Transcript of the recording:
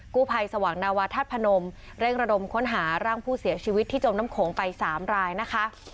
กู้ภัยสว่างนาวาธาตุพนมเร่งระดมค้นหาร่างผู้เสียชีวิตที่จมน้ำโขงไป๓รายนะคะ